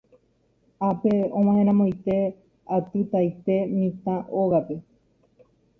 Ápe og̃uahẽramoite atytaite mitã ógape.